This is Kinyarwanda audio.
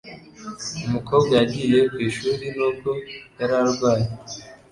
Umukobwa yagiye ku ishuri nubwo yari arwaye.